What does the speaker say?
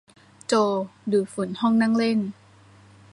โจดูดฝุ่นห้องนั่งเล่น